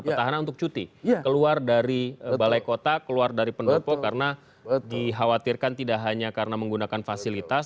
karena untuk cuti keluar dari balai kota keluar dari pendopo karena dikhawatirkan tidak hanya karena menggunakan fasilitas